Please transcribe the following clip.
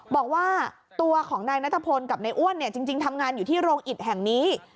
บอกว่าตัวของนายนัทพลกับนายอ้วนเนี่ยจริงทำงานอยู่ที่โรงอิดแห่งนี้